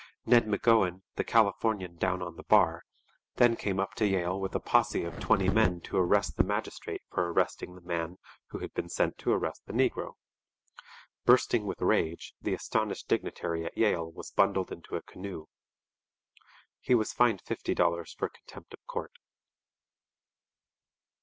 Ned M'Gowan, the Californian down on the bar, then came up to Yale with a posse of twenty men to arrest the magistrate for arresting the man who had been sent to arrest the negro. Bursting with rage, the astonished dignitary at Yale was bundled into a canoe. He was fined fifty dollars for contempt of court.